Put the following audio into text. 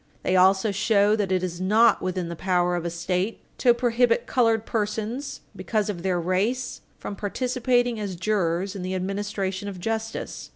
They also show that it is not within the power of a State to prohibit colored citizens, because of their race, from participating as jurors in the administration of justice.